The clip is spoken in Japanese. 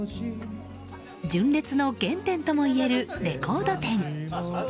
純烈の原点ともいえるレコード店。